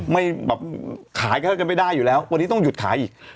ไม่แบบขายก็จะไม่ได้อยู่แล้ววันนี้ต้องหยุดขายอีก